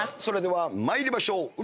それでは参りましょう。